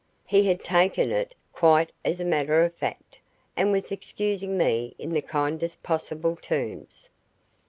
He had taken it quite as a matter of fact, and was excusing me in the kindest possible terms.